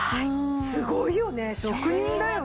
すごいよね職人だよね。